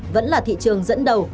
vẫn là thị trường dẫn đầu